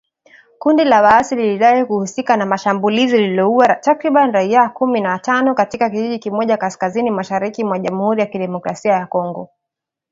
Kundi la waasi lilidai kuhusika na shambulizi lililoua takribani raia kumi na tano katika kijiji kimoja kaskazini-mashariki mwa Jamhuri ya Kidemokrasia ya Kongo.